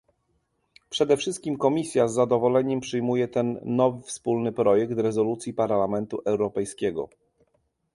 Przede wszystkim Komisja z zadowoleniem przyjmuje ten nowy wspólny projekt rezolucji Parlamentu Europejskiego